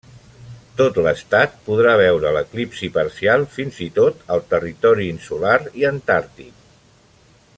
Tot l'estat podrà veure l'eclipsi parcial, fins i tot al territori insular i antàrtic.